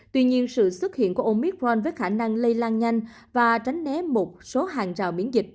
tuy nhiên sự xuất hiện của omicron với khả năng lây lan nhanh và tránh né một số hàng rào biến dịch